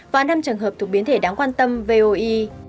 và năm trường hợp thuộc biến thể đáng quan tâm voi